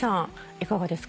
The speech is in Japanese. いかがですか？